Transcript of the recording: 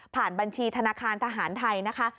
บัญชีธนาคารทหารไทยนะคะ